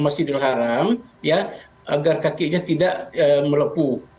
masjidil haram ya agar kakinya tidak melepuh